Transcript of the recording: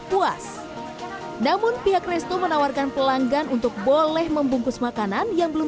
puas namun pihak resto menawarkan pelanggan untuk boleh membungkus makanan yang belum